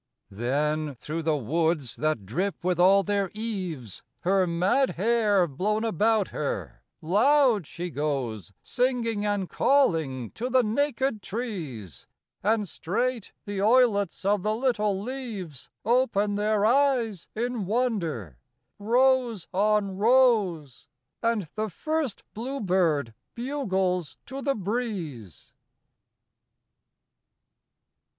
Then through the woods, that drip with all their eaves, Her mad hair blown about her, loud she goes Singing and calling to the naked trees, And straight the oilets of the little leaves Open their eyes in wonder, rows on rows, And the first bluebird bugles to the breeze.